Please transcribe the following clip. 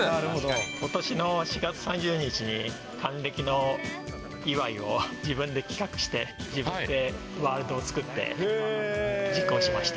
ことしの４月３０日に還暦祝いを自分で企画して、自分でワールドを作って、実行しました。